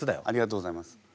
ありがとうございます。